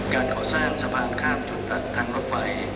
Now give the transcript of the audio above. การเขาสร้างสะพานข้ามจุดทันทั้งรถไฟ